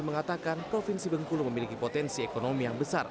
mengatakan provinsi bengkulu memiliki potensi ekonomi yang besar